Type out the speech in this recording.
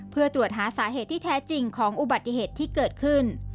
เพื่อตรวจหาสาเหตุที่แท้จริงของอุบัติเหตุที่เกิดขึ้น